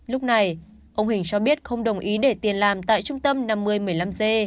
lúc này ông hình cho biết không đồng ý để tiền làm tại trung tâm năm mươi một mươi năm g